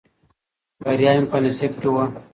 بریا مې په نصیب کې وه.